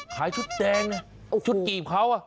ขายชุดแดงชุดกี่เฮาะ